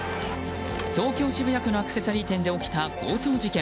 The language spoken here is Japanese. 東京・渋谷区のアクセサリー店で起きた強盗事件。